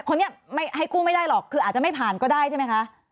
คนนี้ไม่ให้กู้ไม่ได้หรอกคืออาจจะไม่ผ่านก็ได้ใช่ไหมคะ